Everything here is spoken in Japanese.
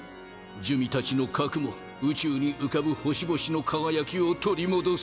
珠魅たちの核も宇宙に浮かぶ星々の輝きを取り戻す。